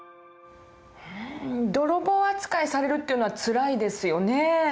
泥棒扱いされるっていうのはつらいですよね。